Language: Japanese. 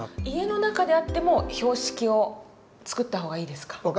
家の中であっても標識を作った方がいいですか。